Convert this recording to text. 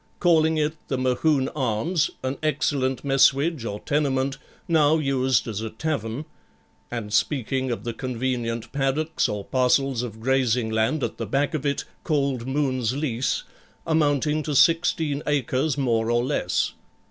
calling it the Mohune Arms, an excellent messuage or tenement now used as a tavern, and speaking of the convenient paddocks or parcels of grazing land at the back of it, called Moons' lease, amounting to sixteen acres more or less.